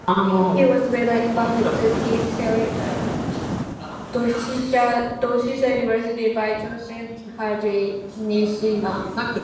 He was later invited to teach theology at Doshisha University by Joseph Hardy Neeshima.